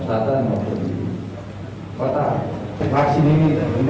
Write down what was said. pertama ini akan disuntikan buat warga kota serang para ibu kota kepopili dan rakyat jawa merah